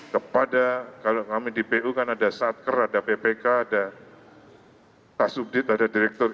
kepada kalau kami di pu kan ada satker ada ppk ada tasubdit ada direktur